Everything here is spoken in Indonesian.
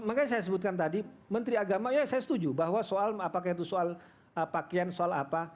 makanya saya sebutkan tadi menteri agama ya saya setuju bahwa soal pakaian soal apa